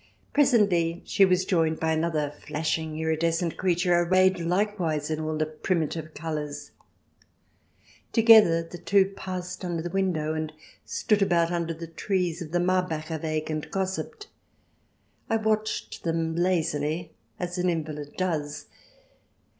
Presently she was joined by another flashing iridescent creature, arrayed likewise in all the primitive colours. Together the two passed under the window, and stood about under the trees of the Marbacher Weg, and gossiped. I watched them lazily, as an invalid does.